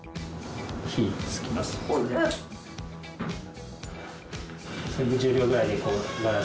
火つきます。